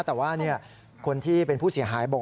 แต่ว่าคนที่เป็นผู้เสียหายบอก